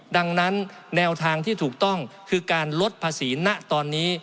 ดังนั้นแนวทางที่ถูกต้องคือการลดภาษีณตอนนี้